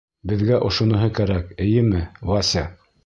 Беҙгә ошоноһо кәрәк, эйеме, Вася?